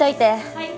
はい。